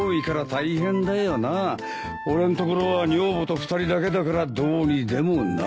俺のところは女房と２人だけだからどうにでもなる。